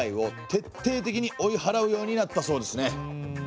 徹底的に追い払うようになったそうですね。